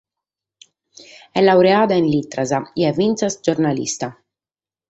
Est laureada in lìteras e est finas giornalista.